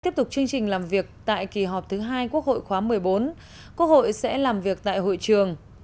tiếp tục chương trình làm việc tại kỳ họp thứ hai quốc hội khóa một mươi bốn quốc hội sẽ làm việc tại hội trường